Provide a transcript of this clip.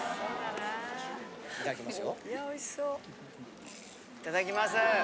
いただきますよ。